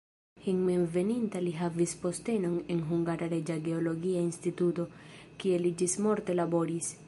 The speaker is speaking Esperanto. Hejmenveninta li havis postenon en "Hungara Reĝa Geologia Instituto", kie li ĝismorte laboris.